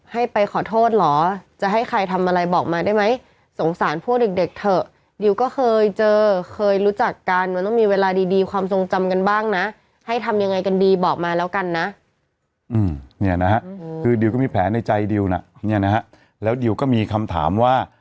ให้ไปขอโทษหรอจะให้ใครทำอะไรบอกมาได้ไหมสงสารพวกเด็กเถอะดิวก็เคยเจอเคยรู้จักกันมันต้องมีเวลาดีความทรงจำกันบ้างนะดิวก็มีคำถามว่า